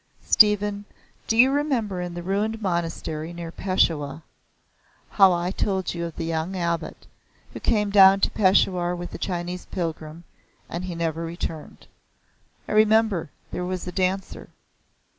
"Stephen, do you remember in the ruined monastery near Peshawar, how I told you of the young Abbot, who came down to Peshawar with a Chinese pilgrim? And he never returned." "I remember. There was a Dancer."